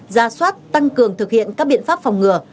ra soát tăng cường thực hiện các biện pháp phòng ngừa